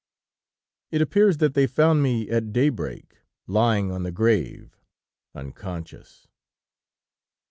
_'""It appears that they found me at daybreak, lying on the grave unconscious."